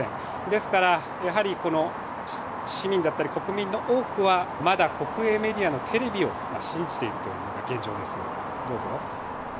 ですから、市民だったり国民の多くはまだ国営メディアのテレビを信じているというのが現状です。